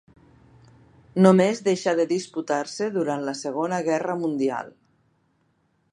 Només deixà de disputar-se durant la Segona Guerra Mundial.